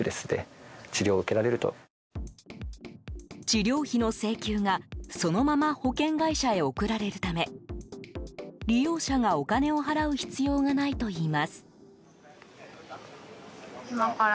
治療費の請求がそのまま保険会社へ送られるため利用者がお金を払う必要がないといいます。